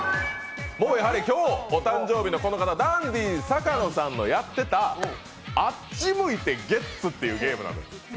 今日お誕生日のこの方、ダンディ坂野さんがやっていた「あっち向いてゲッツ」っていうゲームなんです。